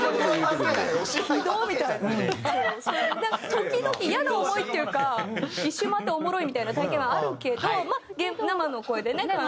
時々イヤな思いっていうか一周回っておもろいみたいな体験はあるけどまあ生の声でね感想。